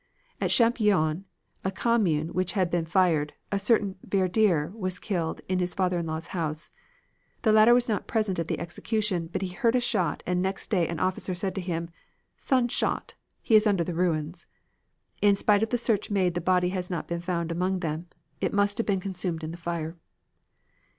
"At Champguyon, a commune which has been fired, a certain Verdier was killed in his father in law's house. The latter was not present at the execution, but he heard a shot and next day an officer said to him, 'Son shot. He is under the ruins.' In spite of the search made the body has not been found among them. It must have been consumed in the fire.